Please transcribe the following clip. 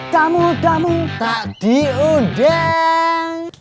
kamu tamu tak diudeng